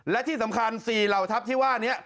และที่สำคัญ๔เหล่าทัพที่ว่านี้